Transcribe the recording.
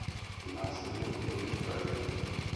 Následně ukončil kariéru.